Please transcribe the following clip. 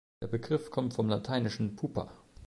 Der Begriff kommt vom lateinischen "pupa".